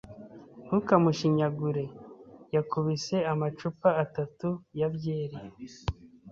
Ntukamushinyagure. Yakubise amacupa atatu ya byeri.